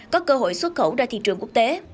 có cơ hội xuất khẩu ra thị trường quốc tế